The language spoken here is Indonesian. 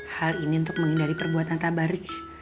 hal ini untuk menghindari perbuatan tabarij